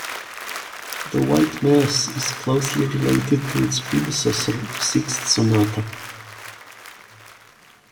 The "White Mass" is closely related to its predecessor, the sixth sonata.